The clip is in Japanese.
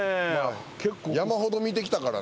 山ほど見てきたから。